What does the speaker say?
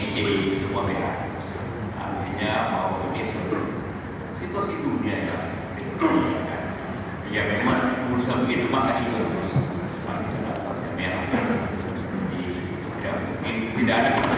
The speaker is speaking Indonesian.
sesuatu dan pelaksanaan terbeda lagi